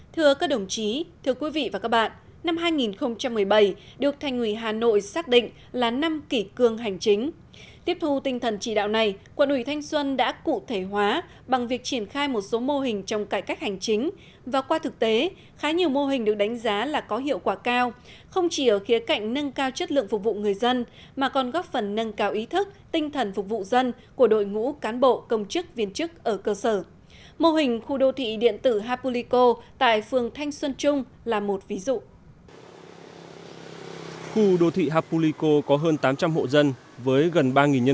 thưa các đồng chí thưa quý vị và các bạn năm hai nghìn một mươi bảy được thành người hà nội xác định là năm kỷ cương hành chính